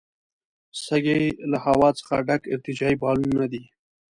سږي له هوا څخه ډک ارتجاعي بالونونه دي.